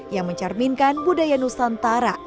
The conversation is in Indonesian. yang mencerminkan budaya nusantara